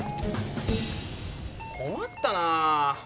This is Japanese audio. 困ったなあ。